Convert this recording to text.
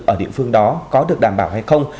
ở địa phương đó có được đảm bảo hay không